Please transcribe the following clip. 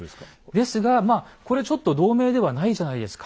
ですがまあこれちょっと同盟ではないじゃないですか。